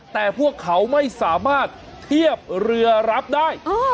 แต่พวกเขาไม่สามารถเทียบเรือรับได้